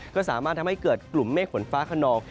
ก็สามารถทำให้เกิดกลุ่มเมฆฝนฟ้าขนอง